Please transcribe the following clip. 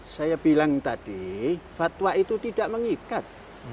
saya bilang tadi fatwa itu tidak mengikat